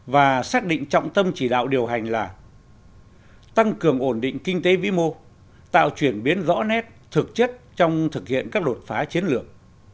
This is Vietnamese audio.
và xác định trọng tâm chỉ đạo điều hành là tăng cường ổn định kinh tế vĩ mô tạo chuyển biến rõ nét thực chất trong thực hiện các đột phá chiến lược